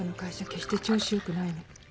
決して調子よくないの。